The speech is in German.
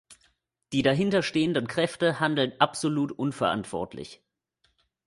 Die dahinter stehenden Kräfte handeln absolut unverantwortlich.